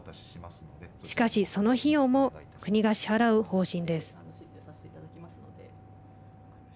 しかしその費用も国が支払う方針です。